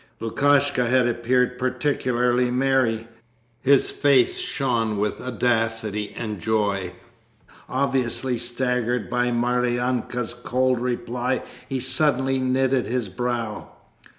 Lukashka had appeared particularly merry. His face shone with audacity and joy. Obviously staggered by Maryanka's cold reply he suddenly knitted his brow.